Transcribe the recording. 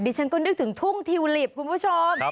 ฉันก็นึกถึงทุ่งทิวลิปคุณผู้ชม